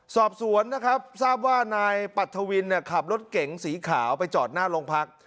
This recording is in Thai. สอบสวนนะครับทราบว่านายปัทธวินขับรถเก๋งสีขาวไปจอดหน้าโรงพัก